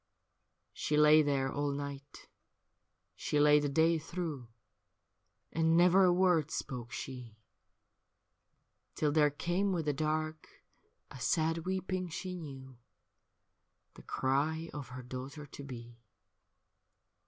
She lay there all night, she lay the day through, And never a word spoke she. Till there came with the dark a sad weeping she knew The cry of her daughter to be.